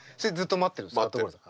待ってる。